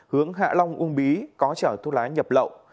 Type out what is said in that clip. hướng hạ long uông bí có chở thu lãi nhập lậu